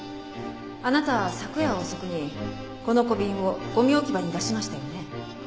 あなた昨夜遅くにこの小瓶をゴミ置き場に出しましたよね？